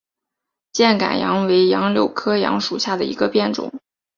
箭杆杨为杨柳科杨属下的一个变种。